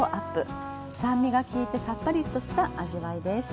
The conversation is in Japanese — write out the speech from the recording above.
酸味が利いてさっぱりとした味わいです。